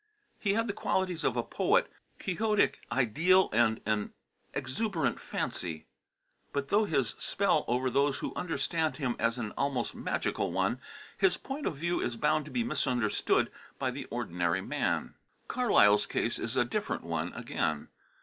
He had the qualities of a poet, a quixotic ideal, and an exuberant fancy; but though his spell over those who understand him is an almost magical one, his point of view is bound to be misunderstood by the ordinary man. Carlyle's case is a different one again.